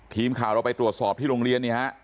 ทีมข่าวเราไปตรวจสอบที่โรงเรียนเนี่ยฮะ